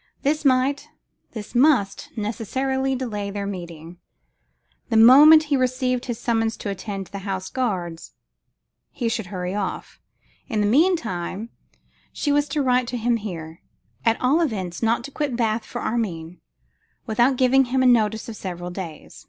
This might, this must, necessarily delay their meeting. The moment he received his summons to attend the Horse Guards, he should hurry off. In the meantime, she was to write to him here; and at all events not to quit Bath for Armine, without giving him a notice of several days.